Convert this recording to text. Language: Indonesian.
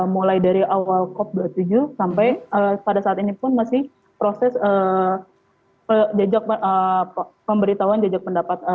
mulai dari awal cop dua puluh tujuh sampai pada saat ini pun masih proses pemberitahuan jejak pendapat